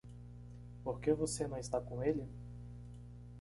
Por que você não está com ele?